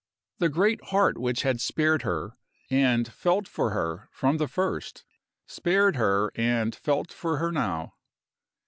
The great heart which had spared her and felt for her from the first spared her and felt for her now.